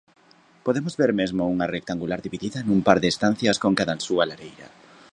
Podemos ver mesmo unha rectangular dividida nun par de estancias con cadansúa lareira.